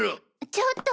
ちょっと！